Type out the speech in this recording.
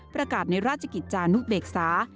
ประกาศในราชกิจจานุเบกษา